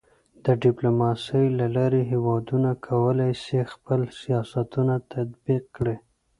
د ډيپلوماسۍ له لارې هېوادونه کولی سي خپل سیاستونه تطبیق کړي.